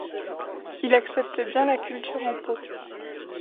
Il accepte bien la culture en pot.